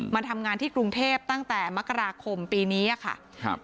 มาทำงานที่กรุงเทพตั้งแต่มกราคมปีนี้อะค่ะครับ